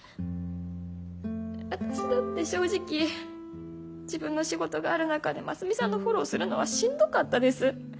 私だって正直自分の仕事がある中でますみさんのフォローをするのはしんどかったです。